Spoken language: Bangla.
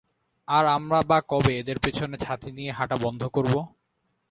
আর আমরা বা কবে এঁদের পেছনে ছাতি নিয়ে হাঁটা বন্ধ করব।